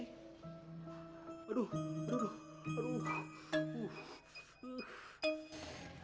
aduh aduh aduh